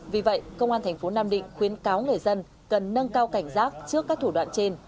vì vậy công an thành phố nam định khuyến cáo người dân cần nâng cao cảnh giác trước các thủ đoạn trên